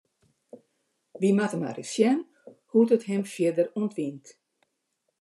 Wy moatte mar ris sjen hoe't it him fierder ûntwynt.